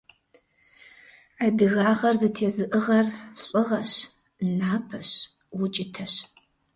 Адыгагъэр зэтезыӀыгъэр лӀыгъэщ, напэщ, укӀытэщ.